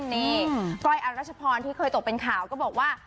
นี่ก้อยอรัชพรที่เคยตกเป็นข่าวก็บอกว่า